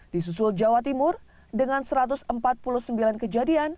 di susul jawa timur dengan satu ratus empat puluh sembilan kejadian